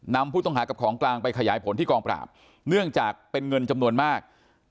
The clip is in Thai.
นำผู้ต้องหากับของกลางไปขยายผลที่กองปราบเนื่องจากเป็นเงินจำนวนมาก